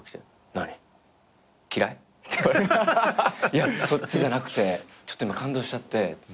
いやそっちじゃなくてちょっと今感動しちゃって。